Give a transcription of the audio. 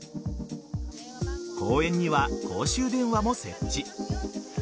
公園には公衆電話も設置。